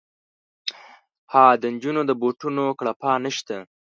ها د نجونو د بوټونو کړپا نه شته